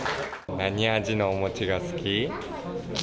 何味のお餅が好き？